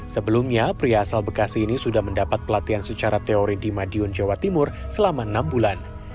sebelumnya pria asal bekasi ini sudah mendapat pelatihan secara teori di madiun jawa timur selama enam bulan